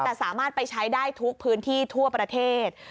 แต่สามารถไปใช้ได้ทุกพื้นที่ทั่วประเทศ